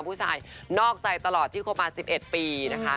ผู้ชายนอกใจตลอดที่คบมา๑๑ปีนะคะ